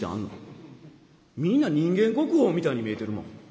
みんな人間国宝みたいに見えてるもん。